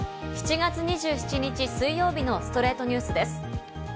７月２７日、水曜日の『ストレイトニュース』です。